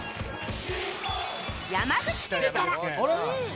山口県から！